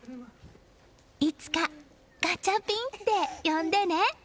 いつかガチャピンって呼んでね！